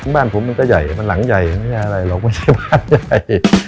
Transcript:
บ้านผมมันก็ใหญ่มันหลังใหญ่มันไม่ใช่อะไรหรอกไม่ใช่บ้านใหญ่